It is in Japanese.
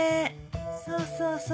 そうそうそう。